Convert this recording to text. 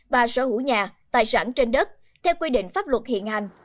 và sở hữu nhà tài sản trên đất theo quy định pháp luật hiện hành